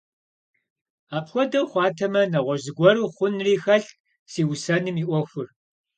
Апхуэдэу хъуатэмэ, нэгъуэщӀ зыгуэру хъунри хэлът си усэным и Ӏуэхур.